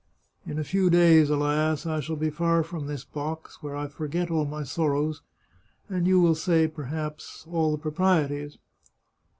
In a few days, alas! I shall be far from this box, where I forget all my sorrows, and you will say, perhaps, all the proprieties."